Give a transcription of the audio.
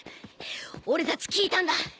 俺たち聞いたんだ。